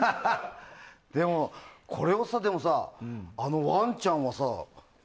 でも、これをさあのワンちゃんは。